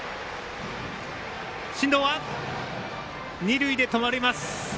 進藤は二塁で止まります。